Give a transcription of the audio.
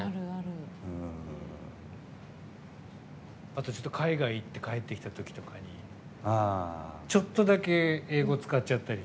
あと、海外行って帰ってきた時とかにちょっとだけ英語使っちゃったり。